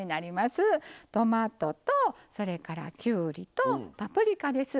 トマトと、それから、きゅうりとパプリカです。